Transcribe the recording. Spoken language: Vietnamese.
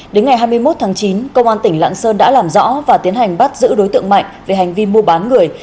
đến ngày hai mươi một tháng chín công an tỉnh lạng sơn đã làm rõ và tiến hành bắt giữ đối tượng mạnh về hành vi mua bán người